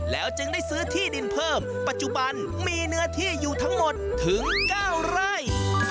แล้วจึงได้ซื้อที่ดินเพิ่มปัจจุบันมีเนื้อที่อยู่ทั้งหมดถึง๙ไร่